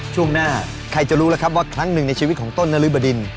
ช่วงหน้าใครจะรู้แล้วครับว่าครั้งหนึ่งในชีวิตของต้นนริบดิน